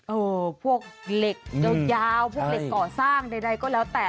พวกเหล็กยาวพวกเหล็กก่อสร้างใดก็แล้วแต่